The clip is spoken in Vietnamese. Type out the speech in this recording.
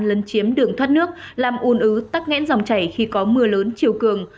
lân chiếm đường thoát nước làm ùn ứ tắc nghẽn dòng chảy khi có mưa lớn chiều cường